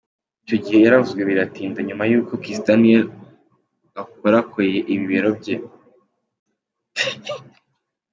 Icyo gihe yaravuzwe biratinda nyuma y’uko Kiss Daniel akorakoye ibibero bye.